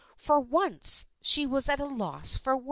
For once she was at a loss for words.